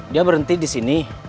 dia berhenti di sini